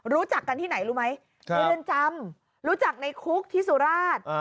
รู้จักกันที่ไหนรู้ไหมในเรือนจำรู้จักในคุกที่สุราช